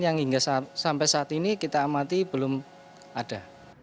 yang sampai saat ini kita amati belum ada